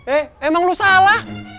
eh emang lu salah